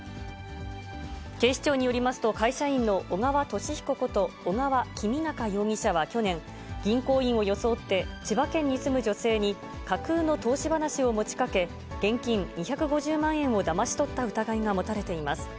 警視庁によりますと、会社員の小川俊彦こと、小川公央容疑者は去年、銀行員を装って、千葉県に住む女性に、架空の投資話を持ちかけ、現金２５０万円をだまし取った疑いが持たれています。